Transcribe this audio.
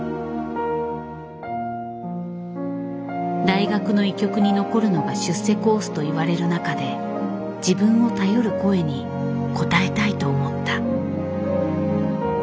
大学の医局に残るのが出世コースと言われる中で自分を頼る声に応えたいと思った。